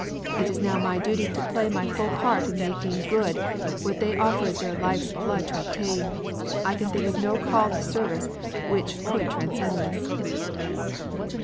It is now my duty to play my full part in making good what they offered their life's blood to obtain. I can think of no call to service which could transcend this....